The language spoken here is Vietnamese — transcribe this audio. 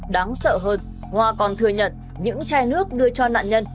đáng sợ hơn hoa còn thừa nhận những chai nước đưa cho nạn nhân